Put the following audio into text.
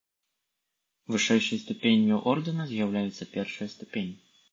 Вышэйшай ступенню ордэна з'яўляецца першая ступень.